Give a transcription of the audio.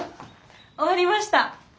終わりました！